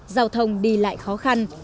giao thông đi lại khó khăn